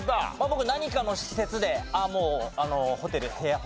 僕「何かの施設」であっもうホテル部屋。